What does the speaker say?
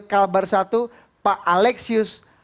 kalbar i pak alexius